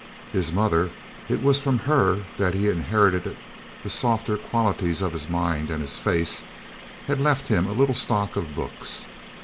His mother it was from her that he inherited the softer qualities of his mind and his face had left him a little stock of books.